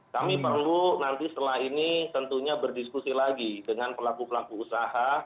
kami perlu nanti setelah ini tentunya berdiskusi lagi dengan pelaku pelaku usaha